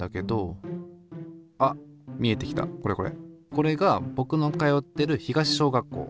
これがぼくの通ってる東小学校。